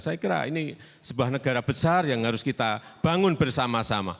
saya kira ini sebuah negara besar yang harus kita bangun bersama sama